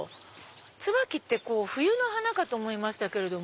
ツバキって冬の花かと思いましたけれども。